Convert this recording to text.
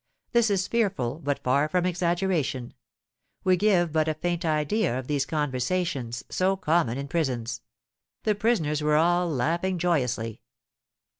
This is fearful, but far from exaggeration; we give but a faint idea of these conversations, so common in prisons. The prisoners were all laughing joyously.